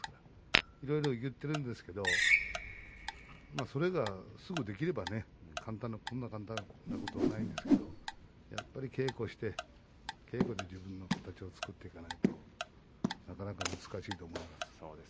いろいろ言ってるんですがそれがすぐできればこんな簡単なことはないんですがやっぱり稽古して稽古で自分の形を作っていかないとなかなか難しいと思います。